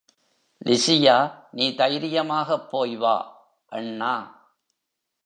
லிசியா, நீ தைரியமாக போய் வா அண்ணா.